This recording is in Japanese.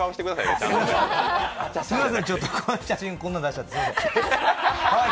すみません、ちょっとこんな写真出しちゃって。